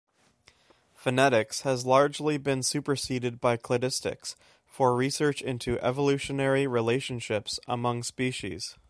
Phenetics has largely been superseded by cladistics for research into evolutionary relationships among species.